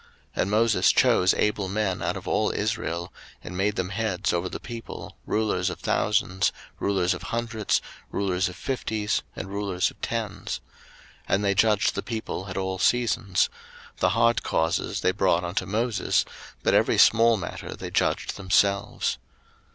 02:018:025 And Moses chose able men out of all Israel, and made them heads over the people, rulers of thousands, rulers of hundreds, rulers of fifties, and rulers of tens. 02:018:026 And they judged the people at all seasons: the hard causes they brought unto Moses, but every small matter they judged themselves.